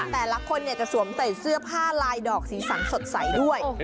แต่ละคนจะสวมใส่เสื้อผ้าลายดอกสีสันสดใสด้วย